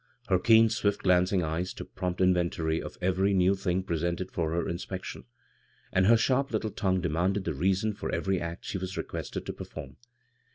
Her keen, swift glanc ing eyes took prcmipt inventory of every new thing presented for her inspection ; and her sharp little tongue demanded the reason for every act she was requested to perform.